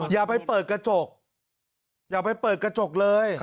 อย่าไปเปิดกระจกอย่าไปเปิดกระจกเลย